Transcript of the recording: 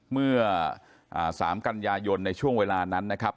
เมื่อ๓กันยายนในช่วงเวลานั้นนะครับ